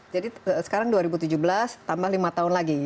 jadi sekarang dua ribu tujuh belas tambah lima tahun lagi